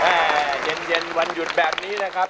เย็นวันหยุดแบบนี้นะครับ